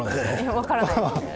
分からない！